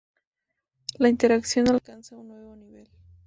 La interacción alcanza un nuevo nivel.